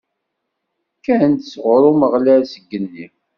Kkan-d sɣur Umeɣlal, seg igenni.